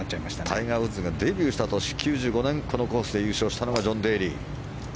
タイガー・ウッズがデビューした年、９５年優勝したのがジョン・デーリー。